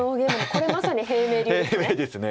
これまさに平明流ですね